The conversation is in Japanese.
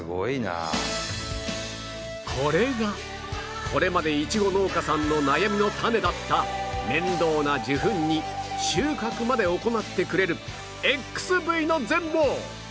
これがこれまでイチゴ農家さんの悩みの種だった面倒な受粉に収穫まで行ってくれる ＸＶ の全貌！